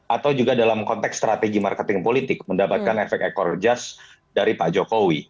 atau juga dalam konteks strategi marketing politik mendapatkan efek ekor jas dari pak jokowi